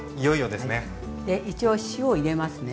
で一応塩を入れますね。